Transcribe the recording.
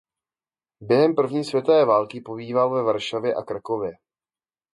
Během první světové války pobýval ve Varšavě a Krakově.